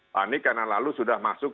panik karena lalu sudah masuk